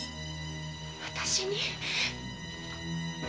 私に？